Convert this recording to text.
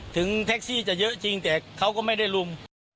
ถึงแท็กซี่จะเยอะจริงแต่เขาก็ไม่ได้ลุม